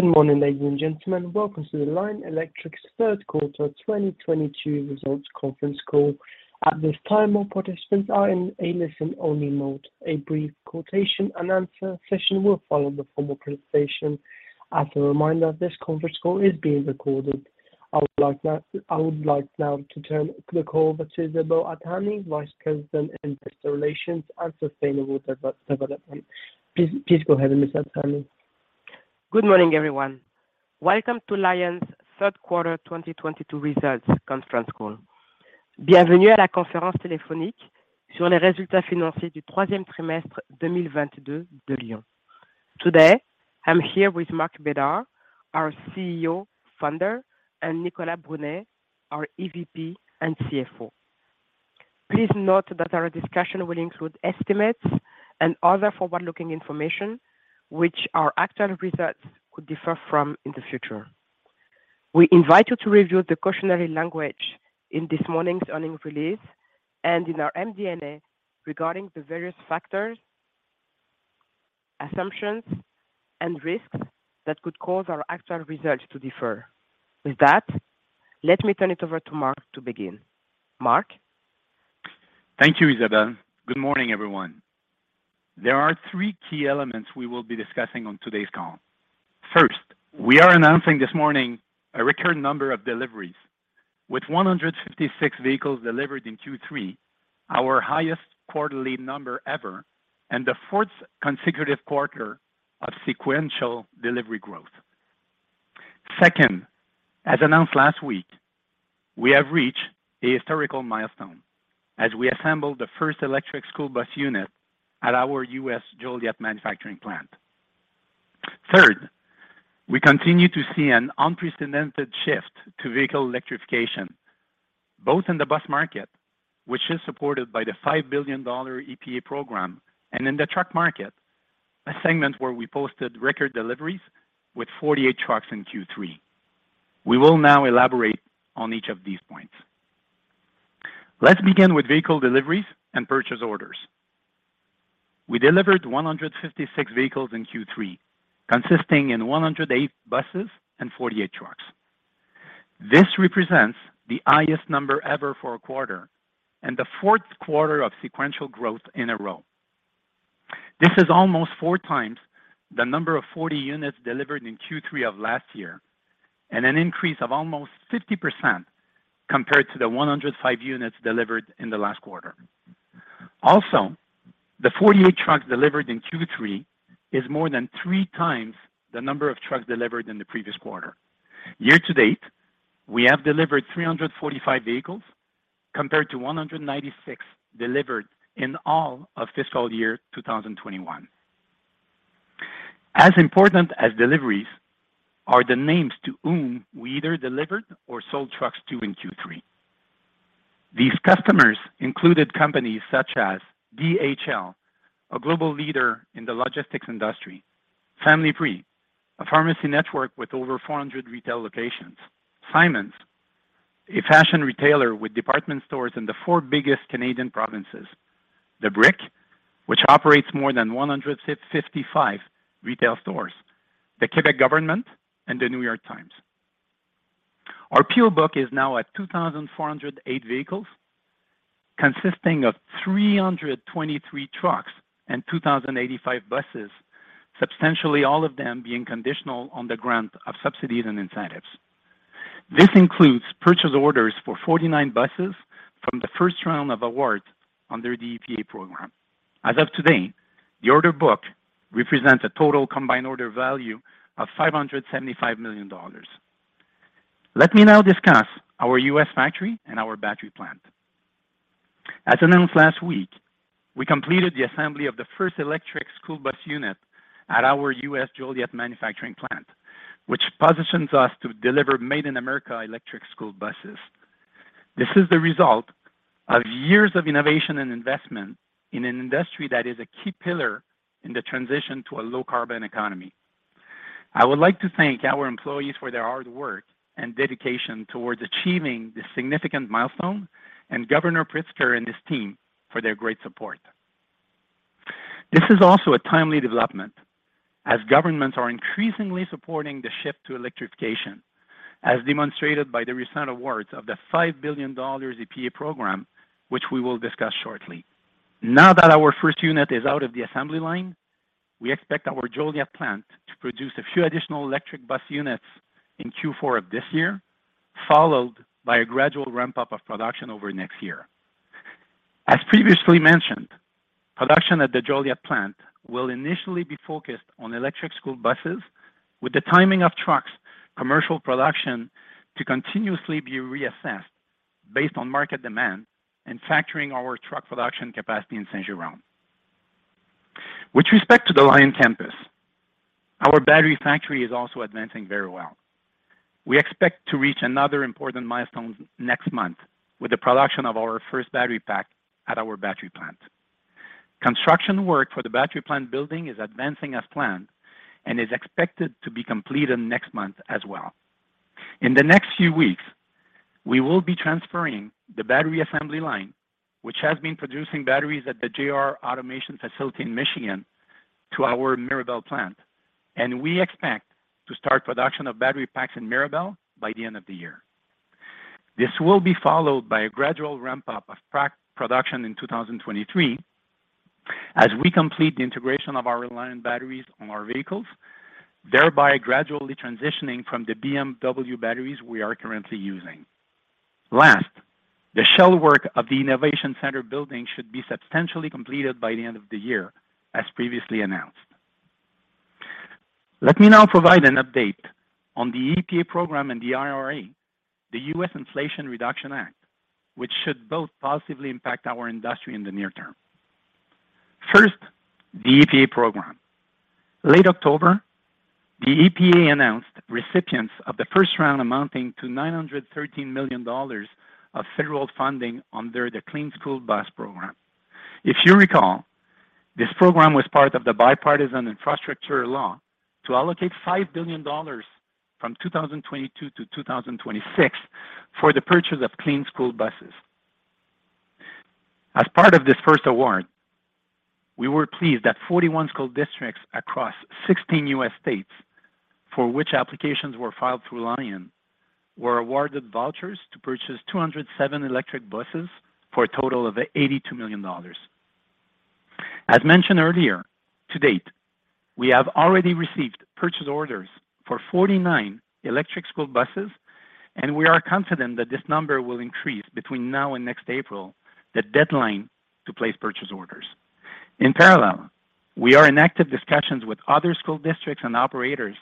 Good morning, ladies and gentlemen. Welcome to the Lion Electric's third quarter 2022 results conference call. At this time, all participants are in a listen-only mode. A brief question and answer session will follow the formal presentation. As a reminder, this conference call is being recorded. I would like now to turn the call to Isabelle Adjahi, Vice President in Investor Relations and Sustainable Development. Please go ahead, Ms. Adjahi. Good morning, everyone. Welcome to Lion's third quarter 2022 results conference call. Today, I'm here with Marc Bédard, our CEO and founder, and Nicolas Brunet, our EVP and CFO. Please note that our discussion will include estimates and other forward-looking information which our actual results could differ from in the future. We invite you to review the cautionary language in this morning's earnings release and in our MD&A regarding the various factors, assumptions, and risks that could cause our actual results to differ. With that, let me turn it over to Marc to begin. Marc? Thank you, Isabelle. Good morning, everyone. There are three key elements we will be discussing on today's call. First, we are announcing this morning a record number of deliveries. With 156 vehicles delivered in Q3, our highest quarterly number ever and the fourth consecutive quarter of sequential delivery growth. Second, as announced last week, we have reached a historical milestone as we assembled the first electric school bus unit at our U.S. Joliet manufacturing plant. Third, we continue to see an unprecedented shift to vehicle electrification, both in the bus market, which is supported by the $5 billion EPA program, and in the truck market, a segment where we posted record deliveries with 48 trucks in Q3. We will now elaborate on each of these points. Let's begin with vehicle deliveries and purchase orders. We delivered 156 vehicles in Q3, consisting of 108 buses and 48 trucks. This represents the highest number ever for a quarter and the fourth quarter of sequential growth in a row. This is almost 4x the number of 40 units delivered in Q3 of last year, and an increase of almost 50% compared to the 105 units delivered in the last quarter. The 48 trucks delivered in Q3 is more than 3x the number of trucks delivered in the previous quarter. Year to date, we have delivered 345 vehicles compared to 196 delivered in all of fiscal year 2021. As important as deliveries are the names to whom we either delivered or sold trucks to in Q3. These customers included companies such as DHL, a global leader in the logistics industry, Familiprix, a pharmacy network with over 400 retail locations, Simons, a fashion retailer with department stores in the four biggest Canadian provinces, The Brick, which operates more than 155 retail stores, the Quebec government, and The New York Times. Our order book is now at 2,408 vehicles, consisting of 323 trucks and 2,085 buses, substantially all of them being conditional on the grant of subsidies and incentives. This includes purchase orders for 49 buses from the first round of awards under the EPA program. As of today, the order book represents a total combined order value of $575 million. Let me now discuss our U.S. factory and our battery plant. As announced last week, we completed the assembly of the first electric school bus unit at our U.S. Joliet manufacturing plant, which positions us to deliver Made in America electric school buses. This is the result of years of innovation and investment in an industry that is a key pillar in the transition to a low carbon economy. I would like to thank our employees for their hard work and dedication towards achieving this significant milestone, and Governor Pritzker and his team for their great support. This is also a timely development as governments are increasingly supporting the shift to electrification, as demonstrated by the recent awards of the $5 billion EPA program, which we will discuss shortly. Now that our first unit is out of the assembly line, we expect our Joliet plant to produce a few additional electric bus units in Q4 of this year, followed by a gradual ramp up of production over next year. As previously mentioned, production at the Joliet plant will initially be focused on electric school buses with the timing of truck's commercial production to continuously be reassessed based on market demand and factoring in our truck production capacity in Saint-Jérôme. With respect to the Lion campus, our battery factory is also advancing very well. We expect to reach another important milestone next month with the production of our first battery pack at our battery plant. Construction work for the battery plant building is advancing as planned and is expected to be completed next month as well. In the next few weeks, we will be transferring the battery assembly line, which has been producing batteries at the JR Automation facility in Michigan, to our Mirabel plant, and we expect to start production of battery packs in Mirabel by the end of the year. This will be followed by a gradual ramp-up of pre-production in 2023 as we complete the integration of our Lion batteries on our vehicles, thereby gradually transitioning from the BMW batteries we are currently using. Last, the shell work of the Innovation Center building should be substantially completed by the end of the year, as previously announced. Let me now provide an update on the EPA program and the IRA, the U.S. Inflation Reduction Act, which should both positively impact our industry in the near term. First, the EPA program. Late October, the EPA announced recipients of the first round amounting to $913 million of federal funding under the Clean School Bus Program. If you recall, this program was part of the Bipartisan Infrastructure Law to allocate $5 billion from 2022-2026 for the purchase of clean school buses. As part of this first award, we were pleased that 41 school districts across 16 U.S. states, for which applications were filed through Lion, were awarded vouchers to purchase 207 electric buses for a total of $82 million. As mentioned earlier, to date, we have already received purchase orders for 49 electric school buses, and we are confident that this number will increase between now and next April, the deadline to place purchase orders. In parallel, we are in active discussions with other school districts and operators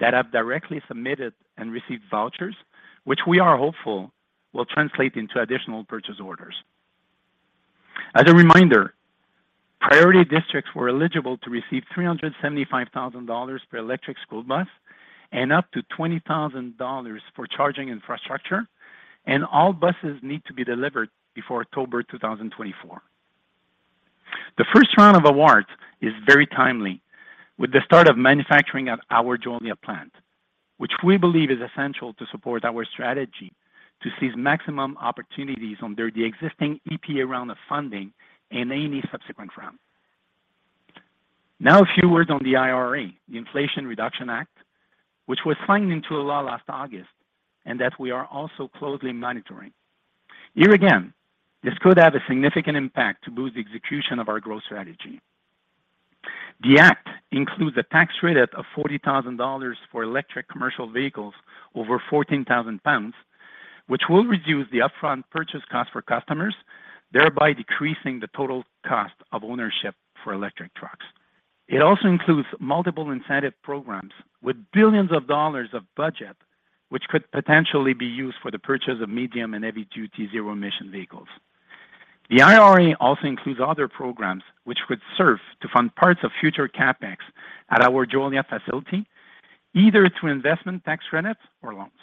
that have directly submitted and received vouchers, which we are hopeful will translate into additional purchase orders. As a reminder, priority districts were eligible to receive $375,000 per electric school bus and up to $20,000 for charging infrastructure, and all buses need to be delivered before October 2024. The first round of awards is very timely with the start of manufacturing at our Joliet plant, which we believe is essential to support our strategy to seize maximum opportunities under the existing EPA round of funding and any subsequent round. Now a few words on the IRA, the Inflation Reduction Act, which was signed into law last August, and that we are also closely monitoring. Here again, this could have a significant impact to boost the execution of our growth strategy. The act includes a tax credit of $40,000 for electric commercial vehicles over 14,000 pounds, which will reduce the upfront purchase cost for customers, thereby decreasing the total cost of ownership for electric trucks. It also includes multiple incentive programs with billions of dollars of budget, which could potentially be used for the purchase of medium- and heavy-duty zero-emission vehicles. The IRA also includes other programs which could serve to fund parts of future CapEx at our Joliet facility, either through investment tax credits or loans.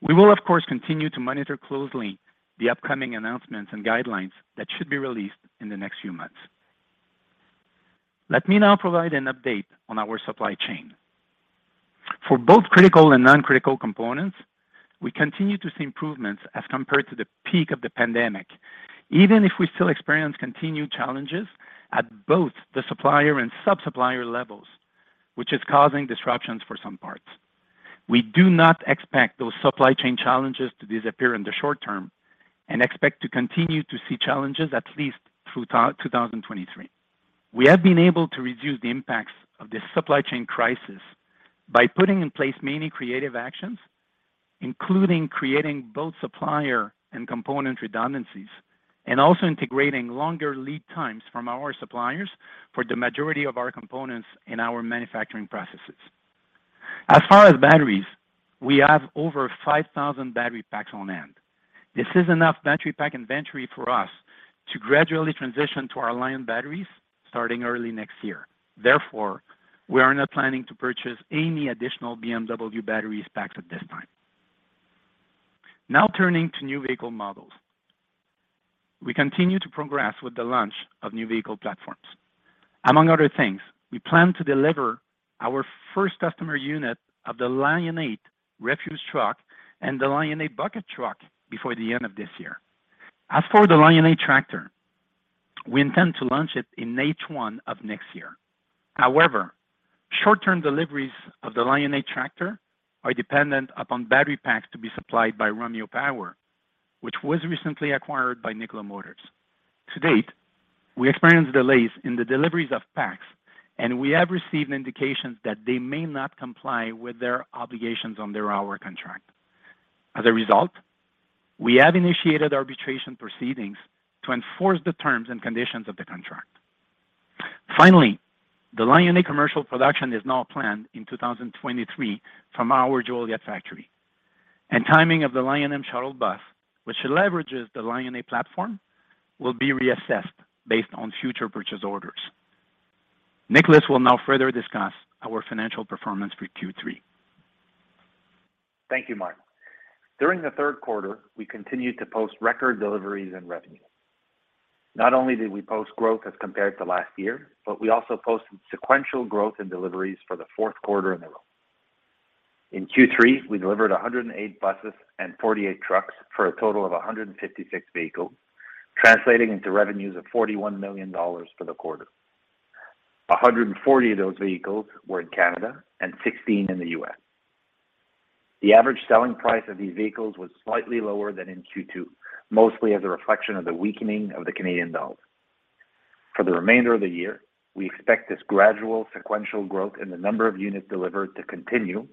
We will of course continue to monitor closely the upcoming announcements and guidelines that should be released in the next few months. Let me now provide an update on our supply chain. For both critical and non-critical components, we continue to see improvements as compared to the peak of the pandemic, even if we still experience continued challenges at both the supplier and sub-supplier levels, which is causing disruptions for some parts. We do not expect those supply chain challenges to disappear in the short term and expect to continue to see challenges at least through 2023. We have been able to reduce the impacts of this supply chain crisis by putting in place many creative actions, including creating both supplier and component redundancies, and also integrating longer lead times from our suppliers for the majority of our components in our manufacturing processes. As far as batteries, we have over 5,000 battery packs on hand. This is enough battery pack inventory for us to gradually transition to our Lion batteries starting early next year. Therefore, we are not planning to purchase any additional BMW battery packs at this time. Now turning to new vehicle models. We continue to progress with the launch of new vehicle platforms. Among other things, we plan to deliver our first customer unit of the Lion8 refuse truck and the Lion8 bucket truck before the end of this year. As for the Lion8 Tractor, we intend to launch it in H1 of next year. However, short-term deliveries of the Lion8 Tractor are dependent upon battery packs to be supplied by Romeo Power, which was recently acquired by Nikola Motors. To date, we experienced delays in the deliveries of packs, and we have received indications that they may not comply with their obligations under our contract. As a result, we have initiated arbitration proceedings to enforce the terms and conditions of the contract. Finally, the Lion8 commercial production is now planned in 2023 from our Joliet factory. Timing of the LionM shuttle bus, which leverages the Lion8 platform, will be reassessed based on future purchase orders. Nicolas will now further discuss our financial performance for Q3. Thank you, Marc Bédard. During the third quarter, we continued to post record deliveries and revenue. Not only did we post growth as compared to last year, but we also posted sequential growth in deliveries for the fourth quarter in a row. In Q3, we delivered 108 buses and 48 trucks for a total of 156 vehicles, translating into revenues of $41 million for the quarter. 140 of those vehicles were in Canada and 16 in the U.S. The average selling price of these vehicles was slightly lower than in Q2, mostly as a reflection of the weakening of the Canadian dollar. For the remainder of the year, we expect this gradual sequential growth in the number of units delivered to continue,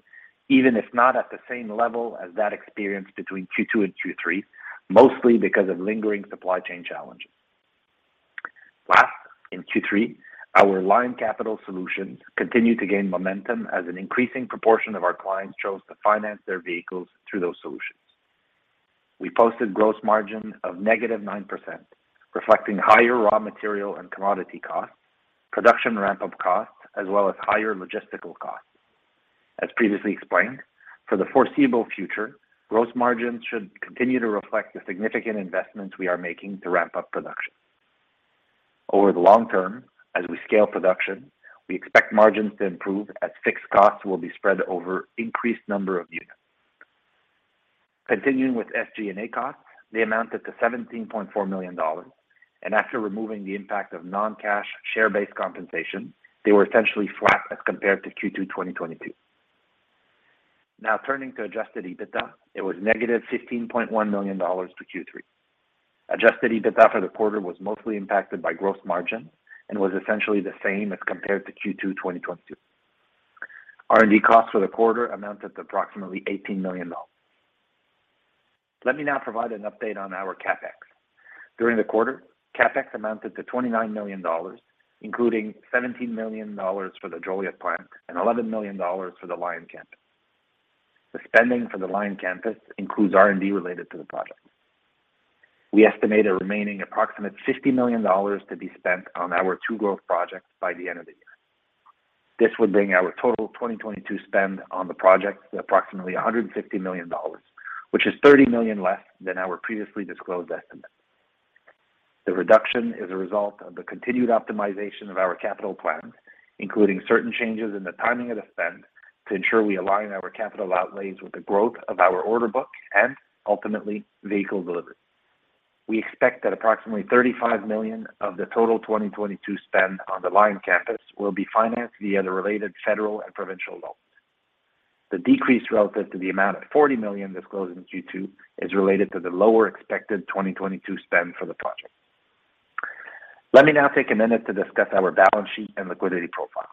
even if not at the same level as that experienced between Q2 and Q3, mostly because of lingering supply chain challenges. Last, in Q3, our Lion Capital Solutions continued to gain momentum as an increasing proportion of our clients chose to finance their vehicles through those solutions. We posted gross margin of negative 9%, reflecting higher raw material and commodity costs, production ramp-up costs, as well as higher logistical costs. As previously explained, for the foreseeable future, gross margins should continue to reflect the significant investments we are making to ramp up production. Over the long term, as we scale production, we expect margins to improve as fixed costs will be spread over increased number of units. Continuing with SG&A costs, they amounted to $17.4 million. After removing the impact of non-cash share-based compensation, they were essentially flat as compared to Q2 2022. Now turning to adjusted EBITDA, it was negative $15.1 million for Q3. Adjusted EBITDA for the quarter was mostly impacted by gross margin and was essentially the same as compared to Q2 2022. R&D costs for the quarter amounted to approximately $18 million. Let me now provide an update on our CapEx. During the quarter, CapEx amounted to $29 million, including $17 million for the Joliet plant and $11 million for the Lion Campus. The spending for the Lion Campus includes R&D related to the project. We estimate a remaining approximate $50 million to be spent on our two growth projects by the end of the year. This would bring our total 2022 spend on the project to approximately $150 million, which is $30 million less than our previously disclosed estimate. The reduction is a result of the continued optimization of our capital plans, including certain changes in the timing of the spend to ensure we align our capital outlays with the growth of our order book and ultimately vehicle delivery. We expect that approximately $35 million of the total 2022 spend on the Lion Campus will be financed via the related federal and provincial loans. The decrease relative to the amount of $40 million disclosed in Q2 is related to the lower expected 2022 spend for the project. Let me now take a minute to discuss our balance sheet and liquidity profile.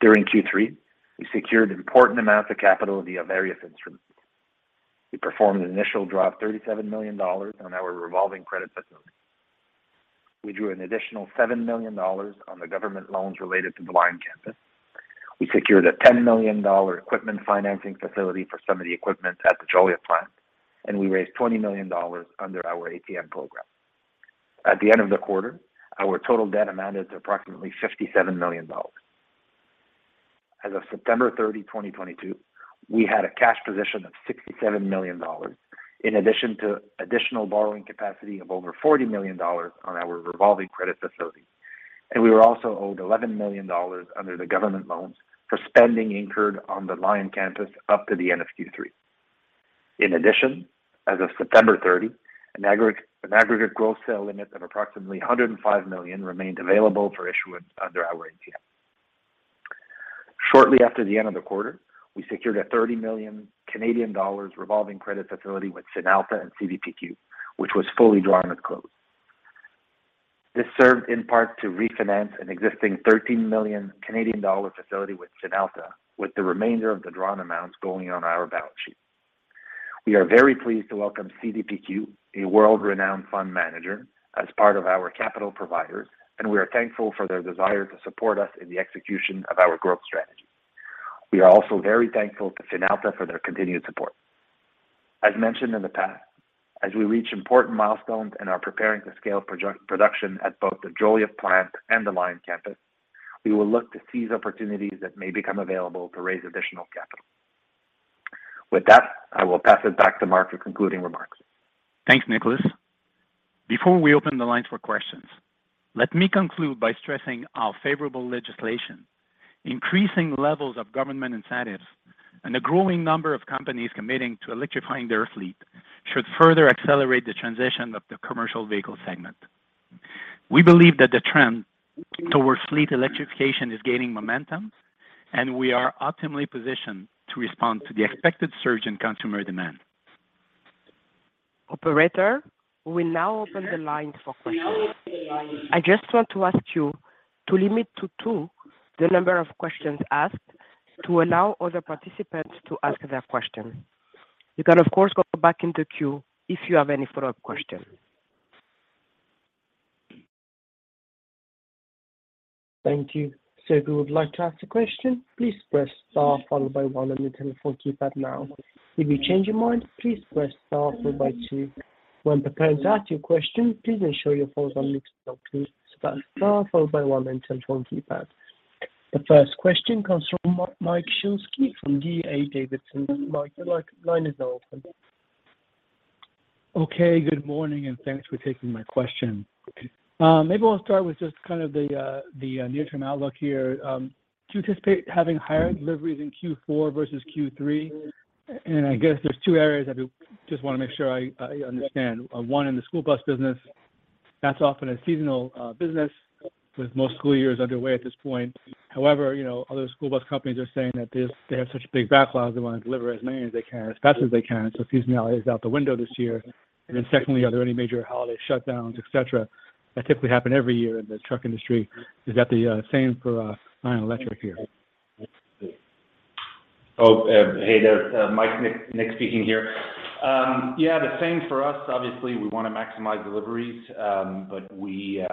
During Q3, we secured an important amount of capital via various instruments. We performed an initial draw of $37 million on our revolving credit facility. We drew an additional $7 million on the government loans related to the Lion Campus. We secured a $10 million equipment financing facility for some of the equipment at the Joliet plant, and we raised $20 million under our ATM program. At the end of the quarter, our total debt amounted to approximately $57 million. As of September 30, 2022, we had a cash position of $67 million, in addition to additional borrowing capacity of over $40 million on our revolving credit facility. We were also owed $11 million under the government loans for spending incurred on the Lion Campus up to the end of Q3. In addition, as of September 30, an aggregate gross sale limit of approximately $105 million remained available for issuance under our ATM. Shortly after the end of the quarter, we secured a 30 million Canadian dollars revolving credit facility with Finalta and CDPQ, which was fully drawn at close. This served in part to refinance an existing 13 million Canadian dollar facility with Finalta, with the remainder of the drawn amounts going on our balance sheet. We are very pleased to welcome CDPQ, a world-renowned fund manager, as part of our capital providers, and we are thankful for their desire to support us in the execution of our growth strategy. We are also very thankful to Finalta for their continued support. As mentioned in the past, as we reach important milestones and are preparing to scale production at both the Joliet plant and the Lion Campus, we will look to seize opportunities that may become available to raise additional capital. With that, I will pass it back to Marc for concluding remarks. Thanks, Nicolas. Before we open the lines for questions, let me conclude by stressing our favorable legislation. Increasing levels of government incentives and a growing number of companies committing to electrifying their fleet should further accelerate the transition of the commercial vehicle segment. We believe that the trend towards fleet electrification is gaining momentum, and we are optimally positioned to respond to the expected surge in consumer demand. Operator, we now open the lines for questions. I just want to ask you to limit to two the number of questions asked to allow other participants to ask their questions. You can, of course, go back into queue if you have any follow-up questions. Thank you. If you would like to ask a question, please press star followed by one on your telephone keypad now. If you change your mind, please press star followed by two. When preparing to ask your question, please ensure your phone is unmuted. Please press star followed by one on your telephone keypad. The first question comes from Mike Shlisky from D.A. Davidson. Mike, your line is now open. Okay. Good morning, and thanks for taking my question. Okay. Maybe we'll start with just kind of the near-term outlook here. Do you anticipate having higher deliveries in Q4 versus Q3? I guess there's two areas I just wanna make sure I understand. One, in the school bus business, that's often a seasonal business with most school years underway at this point. However, you know, other school bus companies are saying that this, they have such big backlogs, they wanna deliver as many as they can, as fast as they can, so seasonality is out the window this year. Secondly, are there any major holiday shutdowns, et cetera, that typically happen every year in the truck industry? Is that the same for Lion Electric here? Oh, hey there. Mike, Nick speaking here. Yeah, the same for us. Obviously, we wanna maximize deliveries, but we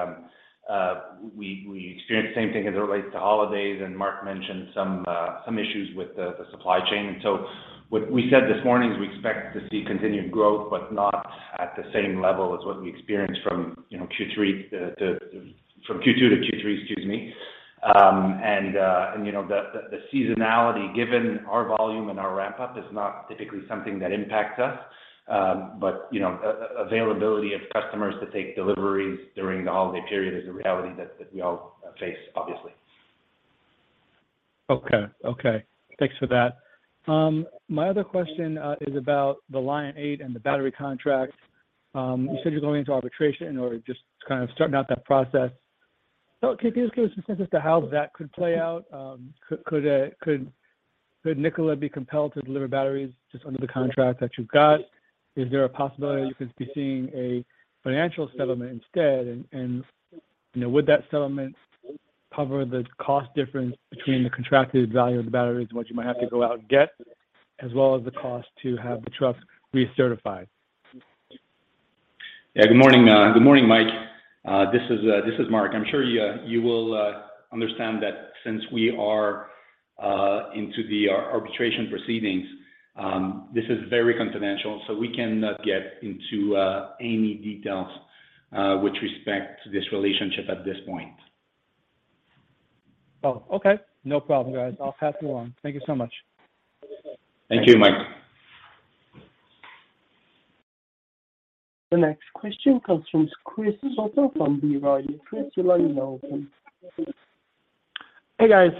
experience the same thing as it relates to holidays, and Marc Bédard mentioned some issues with the supply chain. What we said this morning is we expect to see continued growth, but not at the same level as what we experienced from Q2-Q3, excuse me. You know, the seasonality, given our volume and our ramp-up, is not typically something that impacts us. You know, availability of customers to take deliveries during the holiday period is a reality that we all face, obviously. Okay. Thanks for that. My other question is about the Lion8 and the battery contract. You said you're going into arbitration or just kind of starting out that process. Can you just give us a sense as to how that could play out? Could Nikola be compelled to deliver batteries just under the contract that you've got? Is there a possibility you could be seeing a financial settlement instead? You know, would that settlement cover the cost difference between the contracted value of the batteries and what you might have to go out and get, as well as the cost to have the trucks recertified? Good morning. Good morning, Mike. This is Marc. I'm sure you will understand that since we are into the arbitration proceedings, this is very confidential, so we cannot get into any details with respect to this relationship at this point. Oh, okay. No problem, guys. I'll pass you on. Thank you so much. Thank you, Mike. The next question comes from Chris Souther from B. Riley. Chris, your line is now open. Hey, guys.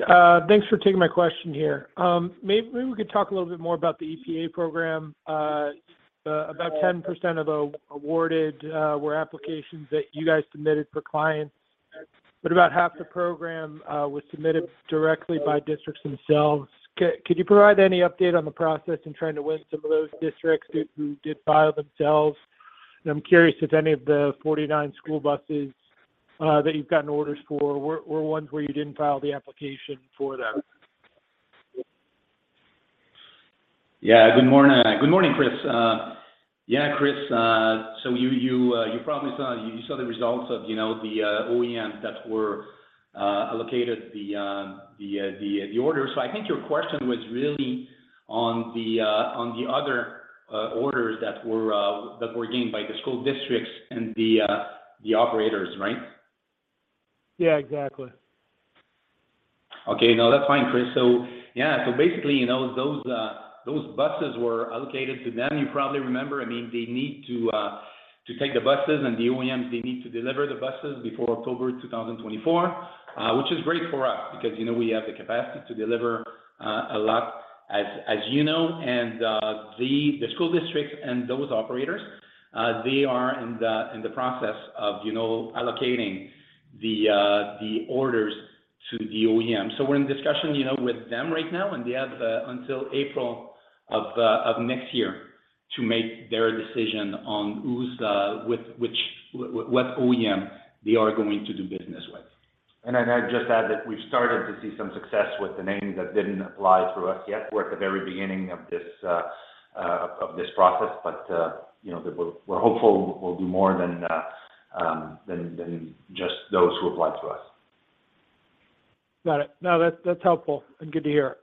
Thanks for taking my question here. Maybe we could talk a little bit more about the EPA program. About 10% of the awarded were applications that you guys submitted for clients, but about half the program was submitted directly by districts themselves. Could you provide any update on the process in trying to win some of those districts who did file themselves? I'm curious if any of the 49 school buses that you've gotten orders for were ones where you didn't file the application for them. Yeah. Good morning. Good morning, Chris. Yeah, Chris, so you probably saw the results of, you know, the OEMs that were allocated the order. I think your question was really on the other orders that were gained by the school districts and the operators, right? Yeah, exactly. Okay. No, that's fine, Chris. Yeah, so basically, you know, those buses were allocated to them. You probably remember, I mean, they need to take the buses, and the OEMs, they need to deliver the buses before October 2024. Which is great for us because, you know, we have the capacity to deliver a lot, as you know. The school district and those operators, they are in the process of, you know, allocating the orders to the OEM. We're in discussion, you know, with them right now, and they have until April of next year to make their decision on who's the, with which, what OEM they are going to do business with. I'd just add that we've started to see some success with the names that didn't apply through us yet. We're at the very beginning of this process, but you know, we're hopeful we'll do more than just those who applied through us. Got it. No, that's helpful and good to hear.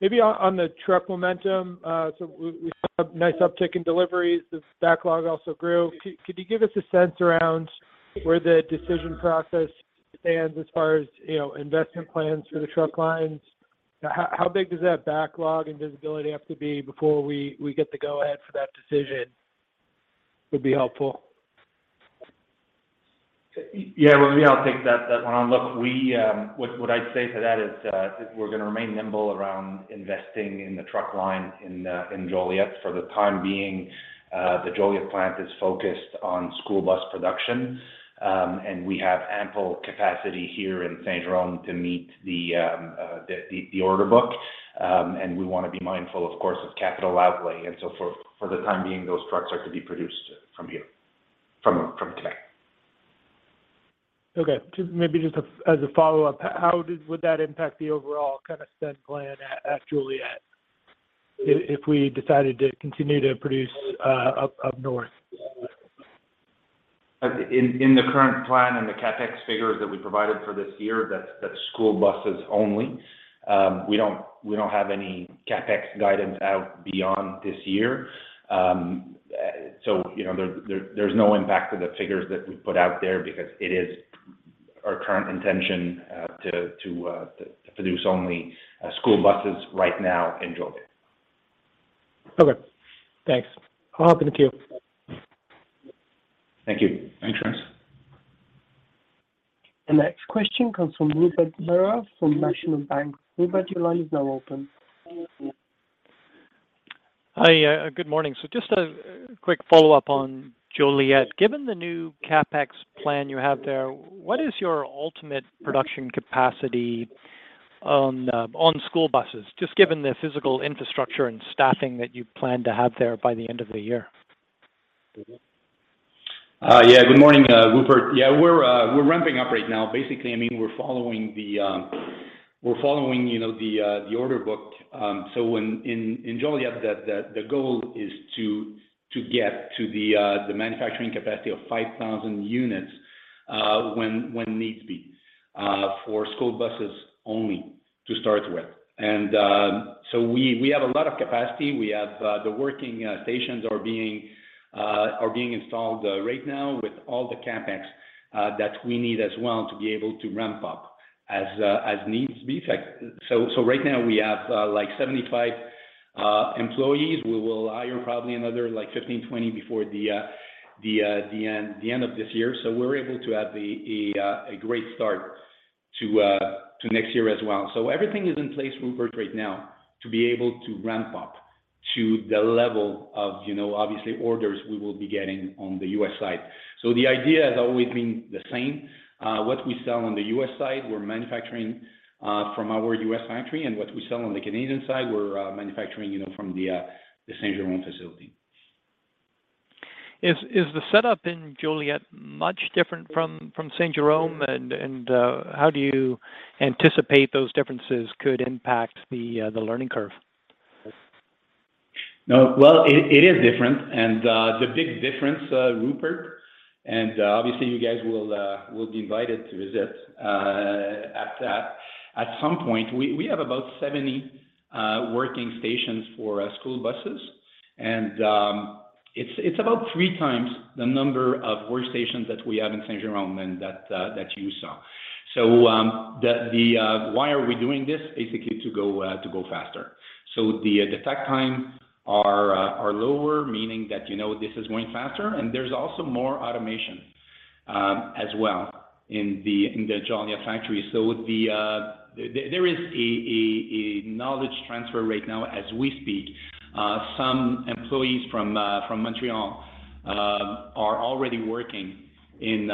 Maybe on the truck momentum. We saw a nice uptick in deliveries. The backlog also grew. Could you give us a sense around where the decision process stands as far as, you know, investment plans for the truck lines? How big does that backlog and visibility have to be before we get the go-ahead for that decision, would be helpful. Yeah. Well, maybe I'll take that one on. Look, what I'd say to that is we're gonna remain nimble around investing in the truck line in Joliet. For the time being, the Joliet plant is focused on school bus production, and we have ample capacity here in St. Jerome to meet the order book. We wanna be mindful, of course, of capital outlay. For the time being, those trucks are to be produced from here, from Quebec. Okay. Just maybe as a follow-up, how would that impact the overall kind of spend plan at Joliet if we decided to continue to produce up north? In the current plan and the CapEx figures that we provided for this year, that's school buses only. We don't have any CapEx guidance out beyond this year. You know, there's no impact to the figures that we put out there because it is our current intention to produce only school buses right now in Joliet. Okay. Thanks. I'll hand it to you. Thank you. Thanks, Chris. The next question comes from Rupert Merer from National Bank. Rupert, your line is now open. Hi, good morning. Just a quick follow-up on Joliet. Given the new CapEx plan you have there, what is your ultimate production capacity on school buses, just given the physical infrastructure and staffing that you plan to have there by the end of the year? Yeah. Good morning, Rupert. Yeah, we're ramping up right now. Basically, I mean, we're following you know, the order book. In Joliet, the goal is to get to the manufacturing capacity of 5,000 units, when needs be, for school buses only to start with. We have a lot of capacity. We have the working stations are being installed right now with all the CapEx that we need as well to be able to ramp up as needs be. In fact, right now we have like 75 employees. We will hire probably another like 15, 20 before the end of this year. We're able to have a great start to next year as well. Everything is in place, Rupert, right now to be able to ramp up to the level of, you know, obviously, orders we will be getting on the U.S. side. The idea has always been the same. What we sell on the U.S. side, we're manufacturing from our U.S. factory, and what we sell on the Canadian side, we're manufacturing, you know, from the Saint-Jérôme facility. Is the setup in Joliet much different from Saint-Jérôme? How do you anticipate those differences could impact the learning curve? No. Well, it is different. Well, the big difference, Rupert, and obviously you guys will be invited to visit at some point. We have about 70 working stations for school buses. It's about three times the number of workstations that we have in Saint-Jérôme than that you saw. Why are we doing this? Basically to go faster. The takt times are lower, meaning that, you know, this is going faster. There's also more automation as well in the Joliet factory. There is a knowledge transfer right now as we speak. Some employees from Montréal are already working in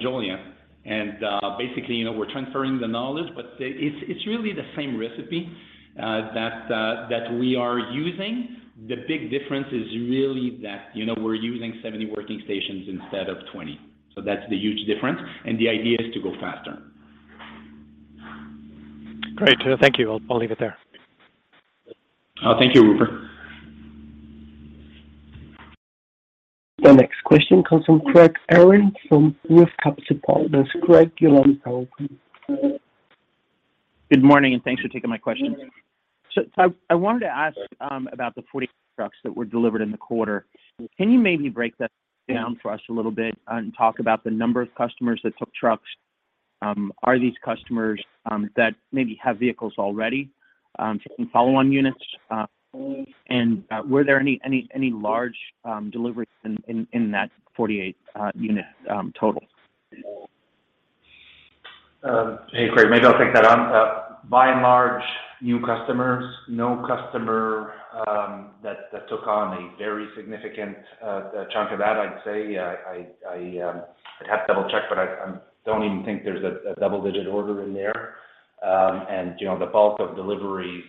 Joliet. Basically, you know, we're transferring the knowledge, but it's really the same recipe that we are using. The big difference is really that, you know, we're using 70 working stations instead of 20. That's the huge difference, and the idea is to go faster. Great. Thank you. I'll leave it there. Thank you, Rupert. The next question comes from Craig Irwin from ROTH Capital Partners. Craig, your line is now open. Good morning, and thanks for taking my question. I wanted to ask about the 40 trucks that were delivered in the quarter. Can you maybe break that down for us a little bit and talk about the number of customers that took trucks? Are these customers that maybe have vehicles already taking follow-on units? Were there any large deliveries in that 48 unit total? Hey, Craig. Maybe I'll take that on. By and large, new customers. No customer that took on a very significant chunk of that, I'd say. I'd have to double-check, but I don't even think there's a double-digit order in there. You know, the bulk of deliveries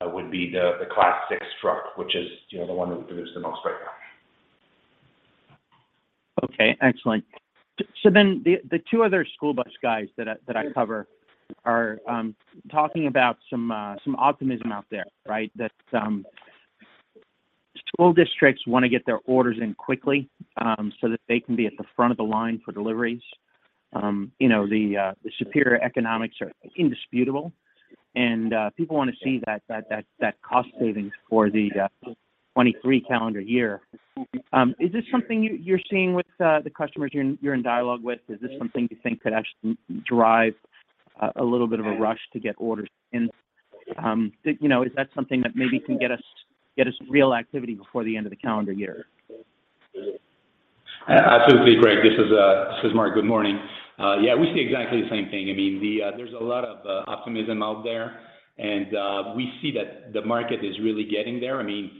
would be the Class 6 truck, which is, you know, the one that we produce the most right now. Okay. Excellent. The two other school bus guys that I cover are talking about some optimism out there, right? School districts wanna get their orders in quickly, so that they can be at the front of the line for deliveries. You know, the superior economics are indisputable, and people wanna see that cost savings for the 2023 calendar year. Is this something you're seeing with the customers you're in dialogue with? Is this something you think could actually drive a little bit of a rush to get orders in? You know, is that something that maybe can get us real activity before the end of the calendar year? Absolutely, Craig. This is Marc. Good morning. Yeah, we see exactly the same thing. I mean, there's a lot of optimism out there, and we see that the market is really getting there. I mean,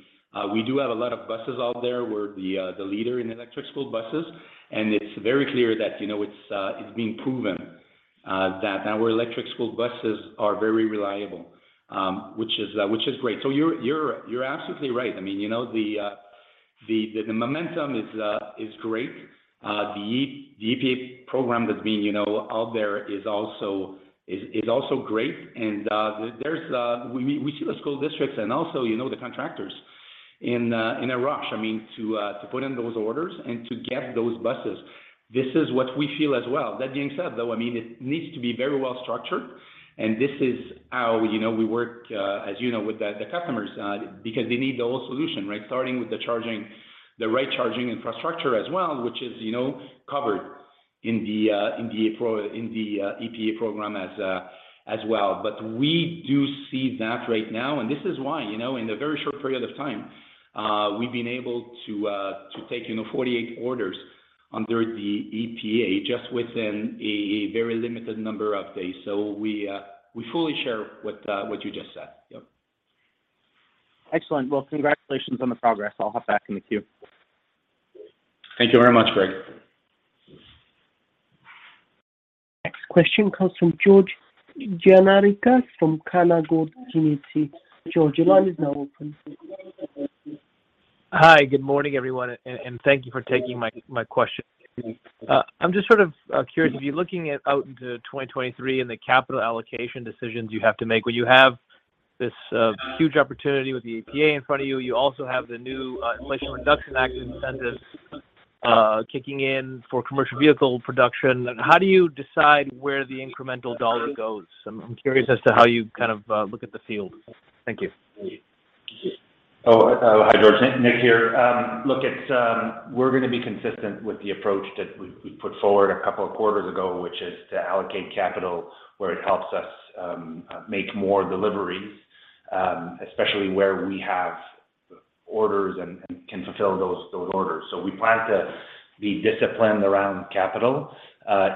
we do have a lot of buses out there. We're the leader in electric school buses, and it's very clear that, you know, it's being proven that our electric school buses are very reliable, which is great. So you're absolutely right. I mean, you know, the momentum is great. The EPA program that's being, you know, out there is also great. There's... We see the school districts and also, you know, the contractors in a rush, I mean, to put in those orders and to get those buses. This is what we feel as well. That being said, though, I mean, it needs to be very well structured, and this is how, you know, we work, as you know, with the customers, because they need the whole solution, right? Starting with the charging. The right charging infrastructure as well, which is, you know, covered in the EPA program as well. We do see that right now, and this is why, you know, in a very short period of time, we've been able to take, you know, 48 orders under the EPA just within a very limited number of days. We fully share what you just said. Yep. Excellent. Well, congratulations on the progress. I'll hop back in the queue. Thank you very much, Craig. Next question comes from George Gianarikas from Canaccord Genuity. George, your line is now open. Hi, good morning, everyone, and thank you for taking my question. I'm just sort of curious. If you're looking out into 2023 and the capital allocation decisions you have to make, where you have this huge opportunity with the EPA in front of you also have the new Inflation Reduction Act incentives kicking in for commercial vehicle production. How do you decide where the incremental dollar goes? I'm curious as to how you kind of look at the field. Thank you. Hi, George. Nick here. Look, we're gonna be consistent with the approach that we put forward a couple of quarters ago, which is to allocate capital where it helps us make more deliveries, especially where we have orders and can fulfill those orders. We plan to be disciplined around capital.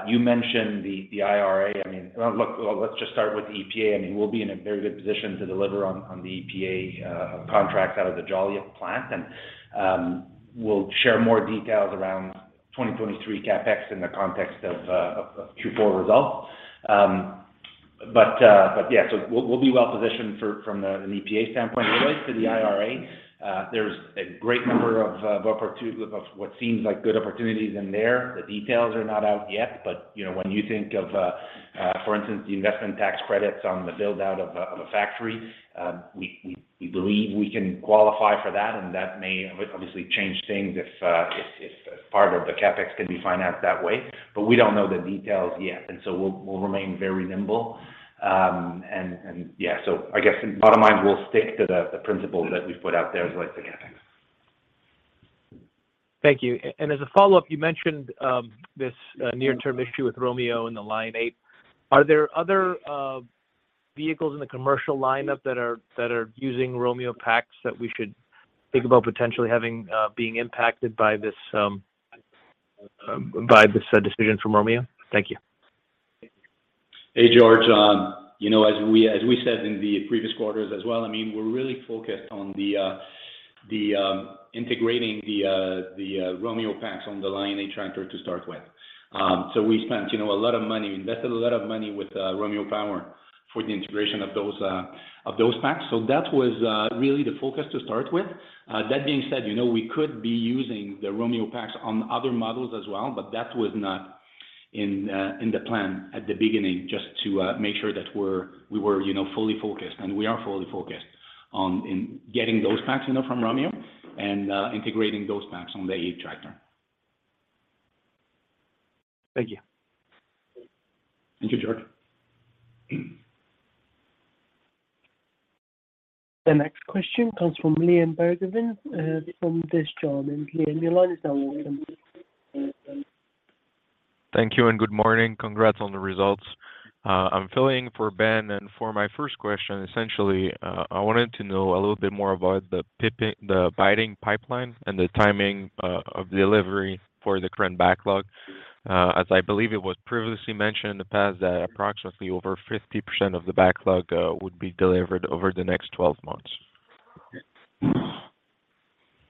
You mentioned the IRA. I mean, look, let's just start with EPA. I mean, we'll be in a very good position to deliver on the EPA contracts out of the Joliet plant. We'll share more details around 2023 CapEx in the context of Q4 results. Yeah. We'll be well positioned from an EPA standpoint. With the IRA, there's a great number of opportunities. of what seems like good opportunities in there. The details are not out yet, but you know, when you think of, for instance, the investment tax credits on the build-out of a factory, we believe we can qualify for that, and that may obviously change things if part of the CapEx can be financed that way. We don't know the details yet, and so we'll remain very nimble. Yeah. I guess bottom line, we'll stick to the principle that we've put out there as it relates to CapEx. Thank you. As a follow-up, you mentioned this near-term issue with Romeo and the Lion8. Are there other vehicles in the commercial lineup that are using Romeo packs that we should think about potentially having being impacted by this decision from Romeo? Thank you. Hey, George. You know, as we said in the previous quarters as well, I mean, we're really focused on integrating the Romeo packs on the Lion8 Tractor to start with. We spent, you know, a lot of money, invested a lot of money with Romeo Power for the integration of those packs. That was really the focus to start with. That being said, you know, we could be using the Romeo packs on other models as well, but that was not in the plan at the beginning, just to make sure that we were, you know, fully focused, and we are fully focused on getting those packs, you know, from Romeo and integrating those packs on the Lion8 Tractor. Thank you. Thank you, George. The next question comes from Liam Bergevin from Desjardins. Liam, your line is now open. Thank you and good morning. Congrats on the results. I'm filling in for Ben. For my first question, essentially, I wanted to know a little bit more about the bidding pipeline and the timing of delivery for the current backlog. As I believe it was previously mentioned in the past that approximately over 50% of the backlog would be delivered over the next 12 months.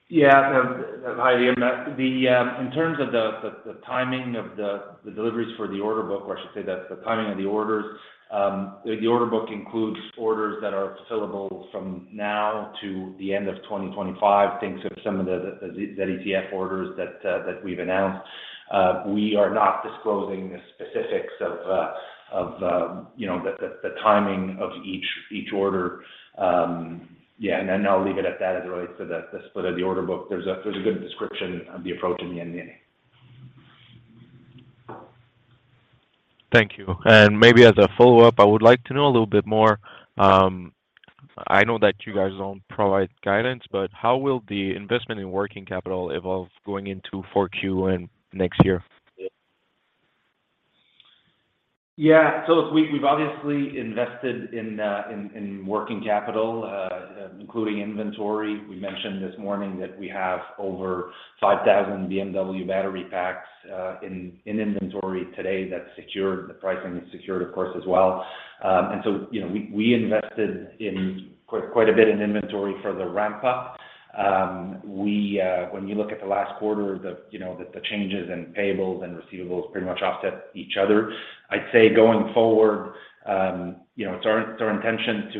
Yeah. Hi, Liam. In terms of the timing of the deliveries for the order book, or I should say the timing of the orders, the order book includes orders that are fulfillable from now to the end of 2025, thanks to some of the ZETF orders that we've announced. We are not disclosing the specifics of, you know, the timing of each order. Yeah. I'll leave it at that as it relates to the split of the order book. There's a good description of the approach in the MD&A. Thank you. Maybe as a follow-up, I would like to know a little bit more. I know that you guys don't provide guidance, but how will the investment in working capital evolve going into 4Q and next year? We've obviously invested in working capital, including inventory. We mentioned this morning that we have over 5,000 BMW battery packs in inventory today that's secured. The pricing is secured, of course, as well. You know, we invested in quite a bit in inventory for the ramp up. When you look at the last quarter, you know, the changes in payables and receivables pretty much offset each other. I'd say going forward, you know, it's our intention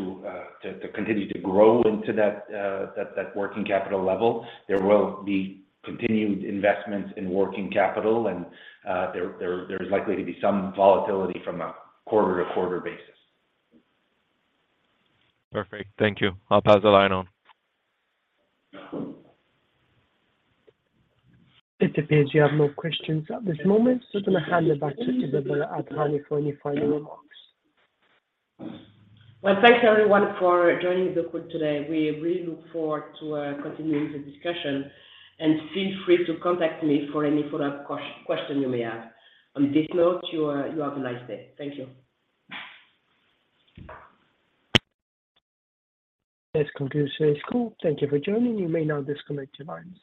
to continue to grow into that working capital level. There will be continued investments in working capital and there's likely to be some volatility from a quarter-to-quarter basis. Perfect. Thank you. I'll pass the line on. It appears you have no questions at this moment, so I'm gonna hand it back to Isabelle Adjahi for any final remarks. Well, thanks everyone for joining the call today. We really look forward to continuing the discussion. Feel free to contact me for any follow-up question you may have. On this note, you have a nice day. Thank you. This concludes today's call. Thank you for joining. You may now disconnect your lines.